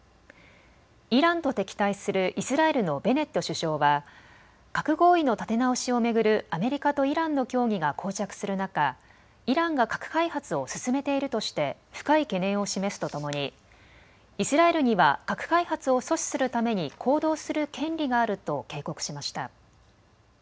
イランと敵対するイスラエルのベネット首相は核合意の立て直しを巡るアメリカとイランの協議がこう着する中、イランが核開発を進めているとして深い懸念を示すとともにイスラエルには核開発を阻止するために行動する権利があると警告しました。